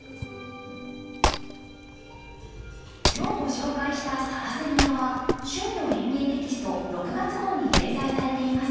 今日ご紹介した「サラセニア」は「趣味の園芸」テキスト６月号に掲載されています。